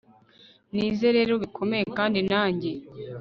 nize rero bikomeye kandi nanjye